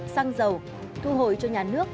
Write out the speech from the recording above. xăng dầu thu hồi cho nhà nước